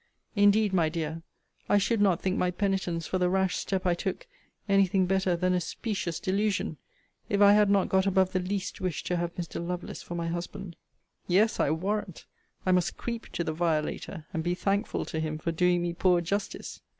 Indeed, my dear, I should not think my penitence for the rash step I took, any thing better than a specious delusion, if I had not got above the least wish to have Mr. Lovelace for my husband. 'Yes, I warrant, I must creep to the violator, and be thankful to him for doing me poor justice!